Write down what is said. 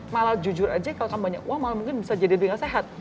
malah jujur aja kalau kamu banyak uang malah mungkin bisa jadi lebih gak sehat